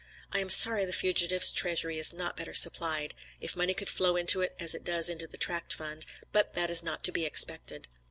I am sorry the fugitives' treasury is not better supplied, if money could flow into it as it does into the Tract Fund; but that is not to be expected.